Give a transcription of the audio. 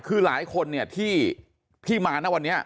คือหลายคนแนี่สักทีที่มา